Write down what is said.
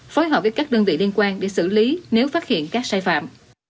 phối hợp với các đơn vị liên quan để xử lý nếu phát hiện các sai phạm